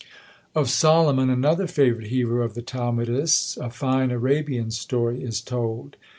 Of Solomon, another favourite hero of the Talmudists, a fine Arabian story is told.